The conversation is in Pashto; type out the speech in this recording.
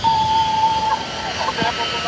هیڅوک په ژوند کي ټولو هیلو ته نه رسیږي.